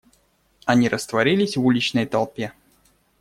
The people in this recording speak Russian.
Они растворились в уличной толпе.